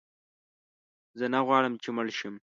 زه نه غواړم چې مړ شم.